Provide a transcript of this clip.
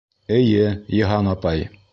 Эйе, Йыһан апай!